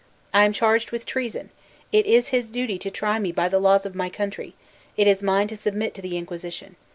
I am charged with treason; it is his duty to try me by the laws of my country; it is mine to submit to the inquisition.